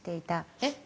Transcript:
えっ？